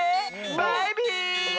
バイビー！